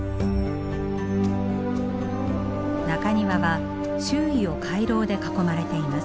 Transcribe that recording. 中庭は周囲を回廊で囲まれています。